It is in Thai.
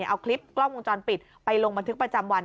เอาคลิปกล้องวงจรปิดไปลงบันทึกประจำวัน